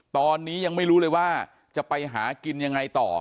ตอนนี้ยังไม่รู้เลยว่าจะไปหากินยังไงต่อ